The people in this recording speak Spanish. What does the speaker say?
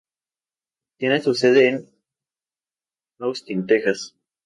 Tiene su sede en Austin, Texas.